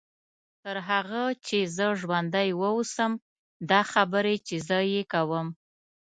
تر هغه چې زه ژوندۍ واوسم دا خبرې چې زه یې کوم.